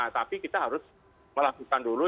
tapi kita harus melakukan dulu